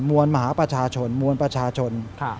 มวลมหาประชาชนมวลประชาชน